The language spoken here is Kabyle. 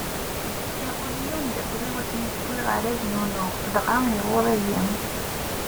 Iɣul-iyi umeddakel-iw asmi d-wwiɣ araz n unuɣ, dɣa iɣuṛṛ-iyi!